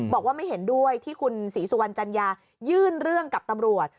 บอกว่าไม่เห็นด้วยที่คุณศรีสุวรรณจัญญายื่นเรื่องกับตำรวจ